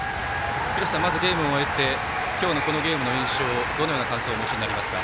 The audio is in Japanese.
廣瀬さん、まずゲームを終えて今日のこのゲームの印象どのような感想をお持ちになりますか？